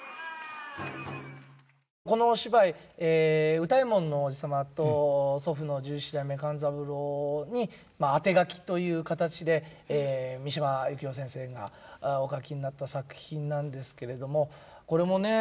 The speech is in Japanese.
このお芝居歌右衛門のおじ様と祖父の十七代目勘三郎にあてがきという形で三島由紀夫先生がお書きになった作品なんですけれどもこれもね